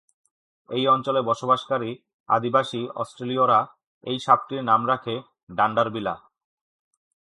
এই অঞ্চলে বসবাসকারী আদিবাসী অস্ট্রেলীয়রা এই সাপটির নাম রাখে "ডান্ডারবিলা"।